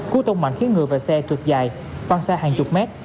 cú tông mạnh khiến người và xe trượt dài văn xa hàng chục mét